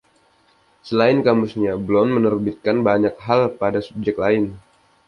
Selain kamusnya, Blount menerbitkan banyak hal pada subjek lain.